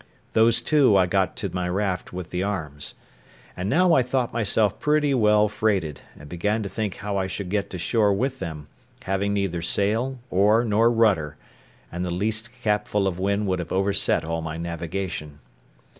Those two I got to my raft with the arms. And now I thought myself pretty well freighted, and began to think how I should get to shore with them, having neither sail, oar, nor rudder; and the least capful of wind would have overset all my navigation.